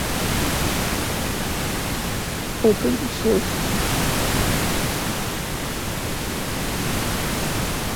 Open source নিরাপত্তা বলে যে, নিরাপত্তা ত্রুটি আরও ভালোভাবে বন্ধ বা সংশোধন করা যাবে, যখন ব্যবহারকারী তার মুখোমুখি হবে।